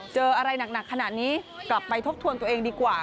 เจออะไรหนักขนาดนี้กลับไปทบทวนตัวเองดีกว่า